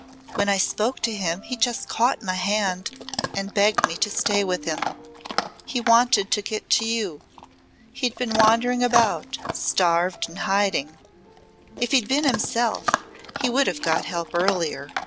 When I spoke to him he just caught my hand and begged me to stay with him. He wanted to get to you. He'd been wandering about, starved and hiding. If he'd been himself he could have got help earlier.